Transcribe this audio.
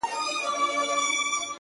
اول بخښنه درڅه غواړمه زه ـ